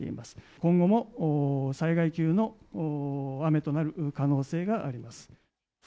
今後も災害級の雨となる可能性があります。